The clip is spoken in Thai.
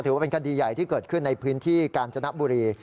ถือว่าเป็นคดีใหญ่ที่เกิดขึ้นในพื้นที่กาญจนบุรี